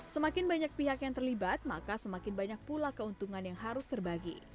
semakin banyak pihak yang terlibat maka semakin banyak pula keuntungan yang harus terbagi